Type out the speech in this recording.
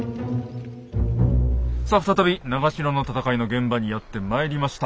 さあ再び長篠の戦いの現場にやってまいりました。